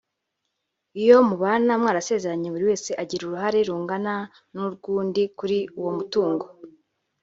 iyo mubana mwarasezeranye buri wese agira uruhare rungana n’ urw’undi kuri uwo mutungo